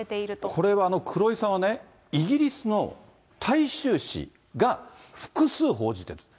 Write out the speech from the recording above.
これは、黒井さんはね、イギリスの大衆紙が複数報じてるんです。